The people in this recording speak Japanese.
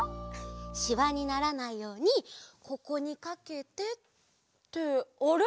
しわにならないようにここにかけてってあれ？